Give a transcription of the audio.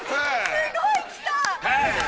すごい来た！